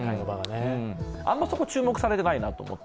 あんまそこ注目されてないなと思って。